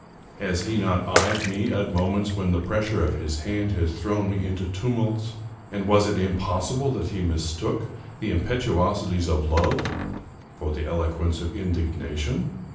Has he not eyed me at moments when the pressure of his hand has thrown me into tumults, and was it impossible that he mistook the impetuosities of love for the eloquence of indignation?